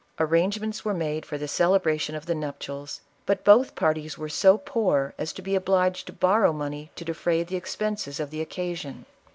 Arrangements were made for the celebration of the nuptials, but both parties were so poor as to be obliged to borrow money to defray the expenses of the occasion.